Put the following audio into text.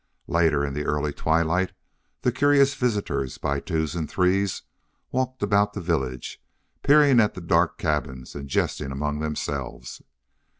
Later in the early twilight the curious visitors, by twos and threes, walked about the village, peering at the dark cabins and jesting among themselves.